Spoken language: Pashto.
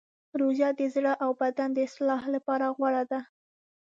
روژه د زړه او بدن د اصلاح لپاره غوره ده.